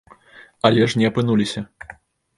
Але ж не апынуліся!